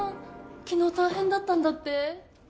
昨日大変だったんだって？